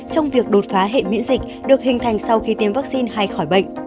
trong việc đột phá hệ miễn dịch được hình thành sau khi tiêm vaccine hay khỏi bệnh